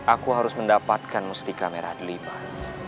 aku harus mendapatkan mustika merah delipat